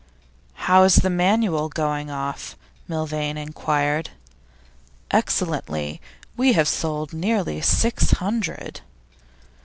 'How's the "Manual" going off?' Milvain inquired. 'Excellently! We have sold nearly six hundred.